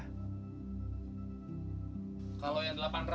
hingga setelah menangkapnya abah menangkapnya